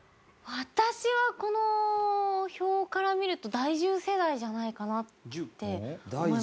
私はこの表から見ると第１０世代じゃないかなって思いますね。